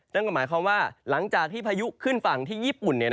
นั่นก็หมายความว่าหลังจากที่พายุขึ้นฝั่งที่ญี่ปุ่น